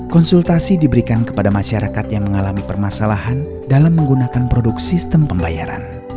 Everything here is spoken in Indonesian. konsultasi diberikan kepada masyarakat yang mengalami permasalahan dalam menggunakan produk sistem pembayaran